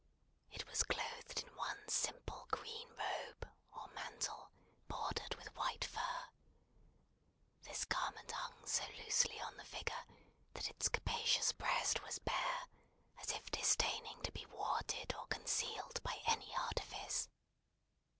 It was clothed in one simple green robe, or mantle, bordered with white fur. This garment hung so loosely on the figure, that its capacious breast was bare, as if disdaining to be warded or concealed by any artifice.